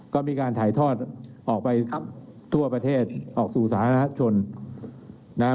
ก็มีการถ่ายทอดออกไปทั่วประเทศออกสู่สาธารณชนนะครับ